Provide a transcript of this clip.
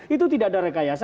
itu tidak ada rekayasa